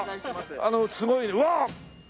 あのすごいわあ！